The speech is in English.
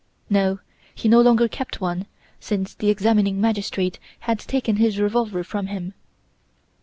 No, he no longer kept one, since the examining magistrate had taken his revolver from him.